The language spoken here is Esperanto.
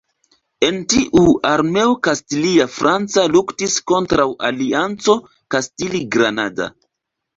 En tiu, armeo kastilia-franca luktis kontraŭ alianco kastili-granada.